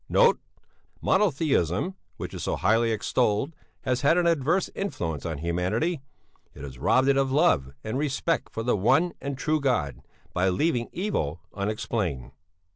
"'Note. Monotheism which is so highly extolled has had an adverse influence on humanity; it has robbed it of the love and respect for the One and True God, by leaving Evil unexplained.